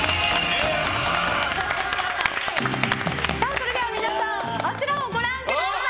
それでは皆さんあちらをご覧ください。